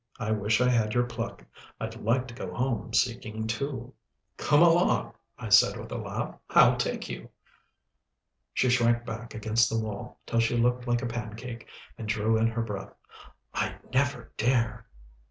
"I wish I had your pluck. I'd like to go home seeking too." "Come along," I said with a laugh. "I'll take you." She shrank back against the wall, till she looked like a pancake, and drew in her breath. "I'd never dare."